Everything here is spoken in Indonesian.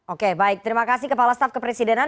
oke baik terima kasih kepala staf kepresidenan